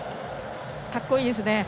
かっこいいですね。